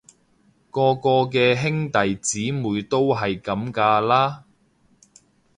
個個嘅兄弟姊妹都係噉㗎啦